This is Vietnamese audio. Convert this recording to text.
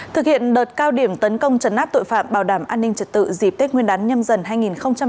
thực hiện đợt cao điểm tấn công trấn áp tội phạm bảo đảm an ninh trật tự dịp tết nguyên đán nhâm dần hai nghìn hai mươi bốn